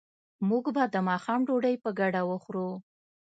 موږ به د ماښام ډوډۍ په ګډه وخورو